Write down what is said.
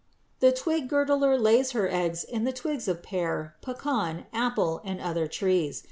= The twig girdler lays her eggs in the twigs of pear, pecan, apple, and other trees.